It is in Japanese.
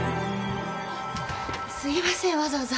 すいませんわざわざ。